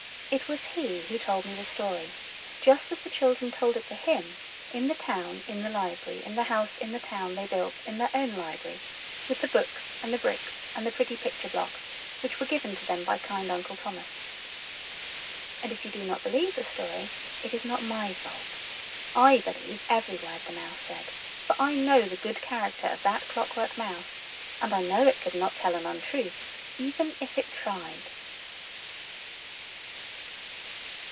It was he who told me the story, just as the children told it to him in the town in the library in the house in the town they built in their own library with the books and the bricks and the pretty picture blocks which were given to them by kind Uncle Thomas. And if you do not believe the story it is not my fault: I believe every word the mouse said, for I know the good character of that clockwork mouse, and I know it could not tell an untruth even if it tried.